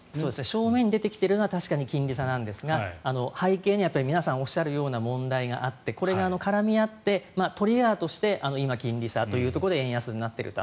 正面に出てきているのは確かに金利差なんですが背景に皆さんおっしゃるような問題があってこれが絡み合ってトリアートして今、金利差というところで円安になっていると。